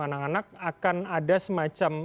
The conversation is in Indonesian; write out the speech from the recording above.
anak anak akan ada semacam